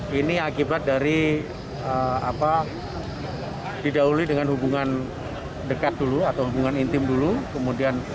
hai ini akibat dari apa didahului dengan hubungan dekat dulu atau hubungan intim dulu kemudian